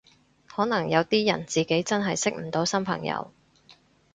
可能有啲人自己真係識唔到新朋友